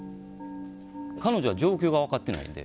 彼女は状況が分かってないので